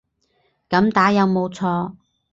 噉打有冇錯